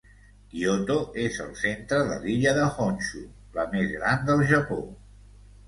Kyoto és al centre de l'illa de Honshu, la més gran del Japó.